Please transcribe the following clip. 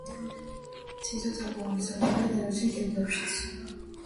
თითო თაღოვანი სარკმელია დანარჩენ კედლებშიც.